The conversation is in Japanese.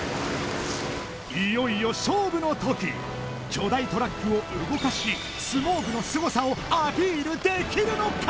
いよいよ勝負のとき巨大トラックを動かし相撲部のすごさをアピールできるのか